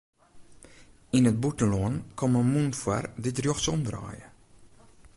Yn it bûtenlân komme mûnen foar dy't rjochtsom draaie.